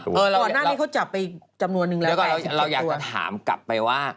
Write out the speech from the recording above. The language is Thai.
ต่อหน้านี้เขาจับไปจำนวนหนึ่งแล้วแปลก๑๗ตัวเดี๋ยวก่อนเราอยากจะถามกลับไปว่า